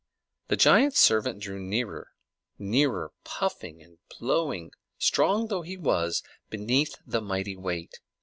The giant servant drew nearer, nearer, puffing and blowing, strong though he was, beneath the mighty weight.